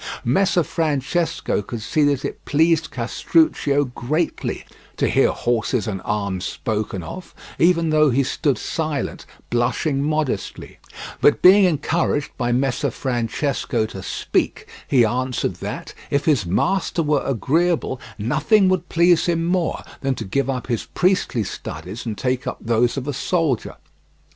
Messer Francesco could see that it pleased Castruccio greatly to hear horses and arms spoken of, even though he stood silent, blushing modestly; but being encouraged by Messer Francesco to speak, he answered that, if his master were agreeable, nothing would please him more than to give up his priestly studies and take up those of a soldier.